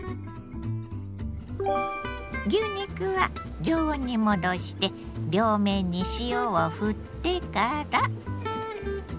牛肉は常温に戻して両面に塩をふってから。